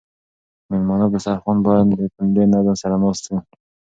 مېلمانه په دسترخوان باندې په ډېر نظم سره ناست وو.